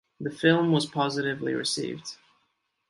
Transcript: The film was positively received.